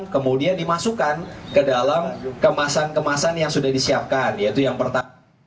kemudian dimasukkan ke dalam kemasan kemasan yang sudah disiapkan yaitu yang pertama